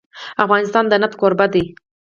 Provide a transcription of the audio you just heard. افغانستان د نفت کوربه دی.